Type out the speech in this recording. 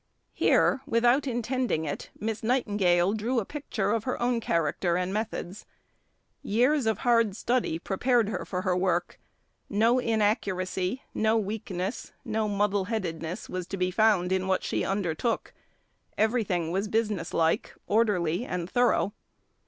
Here, without intending it, Miss Nightingale drew a picture of her own character and methods. Years of hard study prepared her for her work; no inaccuracy, no weakness, no muddleheadedness was to be found in what she undertook; everything was business like, orderly, and thorough.